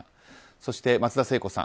そして、松田聖子さん。